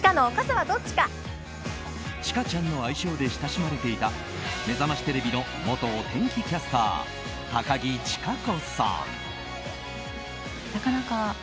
チカちゃんの愛称で親しまれていた「めざましテレビ」の元お天気キャスター高樹千佳子さん。